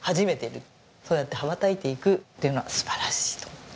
そうやって羽ばたいていくっていうのは素晴らしいと思って。